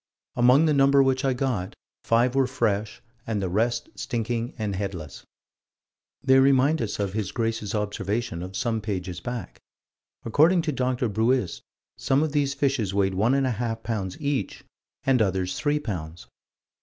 "Among the number which I got, five were fresh and the rest stinking and headless." They remind us of His Grace's observation of some pages back. According to Dr. Buist, some of these fishes weighed one and a half pounds each and others three pounds.